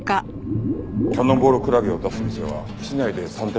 キャノンボールクラゲを出す店は市内で３店舗だけだった。